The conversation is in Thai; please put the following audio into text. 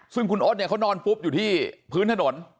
กันคุณอธเค้านอนปุ๊บอยู่ที่พื้นถนน